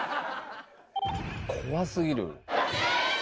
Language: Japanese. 怖すぎる。